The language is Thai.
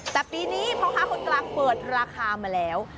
แต่ปีนี้พ่อค้าคนกลางเปิดราคามาแล้ว